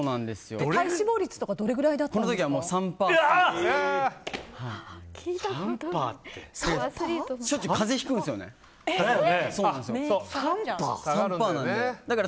体脂肪率とかどれくらいだったんですか？